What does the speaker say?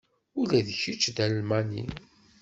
Ula d kečč d Almani?